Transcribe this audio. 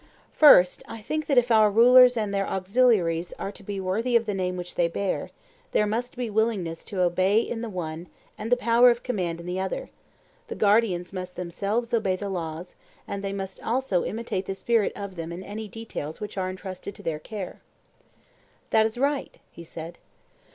First, I think that if our rulers and their auxiliaries are to be worthy of the name which they bear, there must be willingness to obey in the one and the power of command in the other; the guardians must themselves obey the laws, and they must also imitate the spirit of them in any details which are entrusted to their care. That is right, he said.